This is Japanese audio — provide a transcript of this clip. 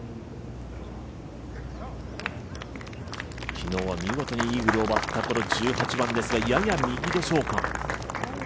昨日は、見事にイーグルを奪った１８番ですが、やや右でしょうか？